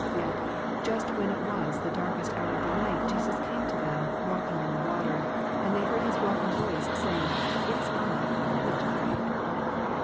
Yet, just when it was the darkest hour of the night, Jesus came to them " walking on the water," and they heard His welcome voice, saying, "It is I : be not afraid."